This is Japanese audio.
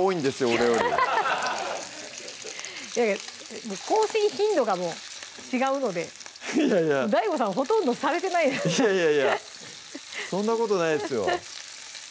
俺よりもう更新頻度が違うのでＤＡＩＧＯさんほとんどされてないいやいやいやそんなことないですよ